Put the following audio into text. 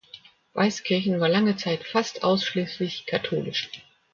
Weiskirchen war lange Zeit fast ausschließlich katholisch.